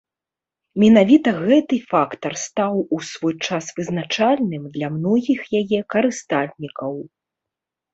Менавіта гэты фактар стаў у свой час вызначальным для многіх яе карыстальнікаў.